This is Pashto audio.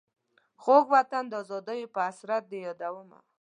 خوږ وطن د آزادیو په حسرت دي یادومه.